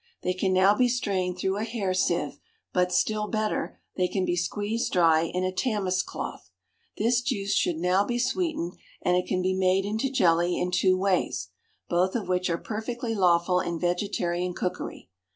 They can now be strained through a hair sieve, but, still better, they can be squeezed dry in a tamis cloth. This juice should now be sweetened, and it can be made into jelly in two ways, both of which are perfectly lawful in vegetarian cookery.